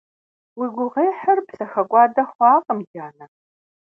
Уи гугъуехьыр псэхэкӀуадэ хъуакъым, ди анэ.